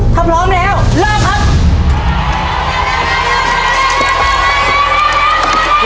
ถ้าพร้อมแล้วเริ่มครับ